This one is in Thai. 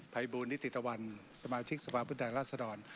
จูนนิติตวรรณ์สมาชิกทุนสภาพุทธแรกราศดร